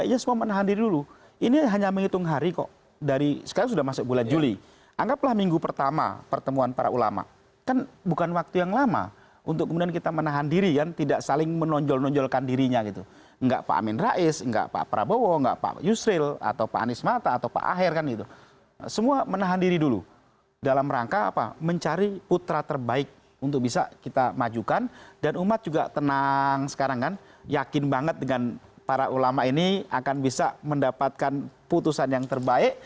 karena kita juga banyak melihat sejumlah artis kita yang menikah di mekah berakhir juga cerai